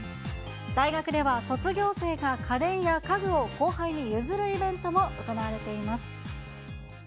大学では卒業生が家電や家具を後輩に譲るイベントも行われています。